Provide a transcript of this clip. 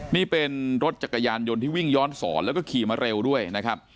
นี่เป็นรถจักรยานยนต์ที่วิ่งย้อนสอนแล้วก็ขี่มาเร็วด้วยนะครับ